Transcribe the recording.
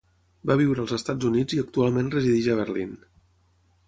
Va viure als Estats Units i actualment resideix a Berlín.